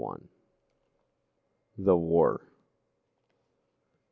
_THE WAR.